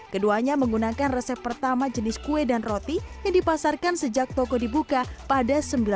keduanya menggunakan resep pertama jenis kue dan roti yang dipasarkan sejak toko dibuka pada seribu sembilan ratus sembilan puluh